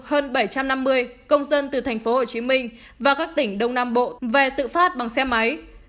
hơn bảy trăm năm mươi công dân từ tp hcm và các tỉnh đông nam bộ về tự phát bằng xe máy